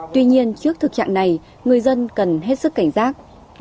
tuy nhiên trước thực trạng này người dân cần hết sức cảnh giác